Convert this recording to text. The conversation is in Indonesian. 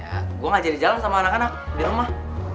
ya gue gak jadi jalan sama anak anak di rumah